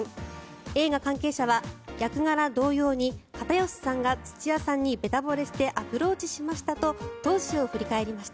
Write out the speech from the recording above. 映画関係者は役柄同様に片寄さんが土屋さんにアプローチしましたと当時を振り返りました。